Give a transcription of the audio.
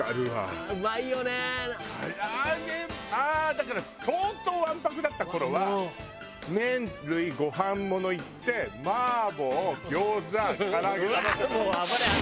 だから相当わんぱくだった頃は麺類ご飯ものいって麻婆餃子唐揚げ頼んで。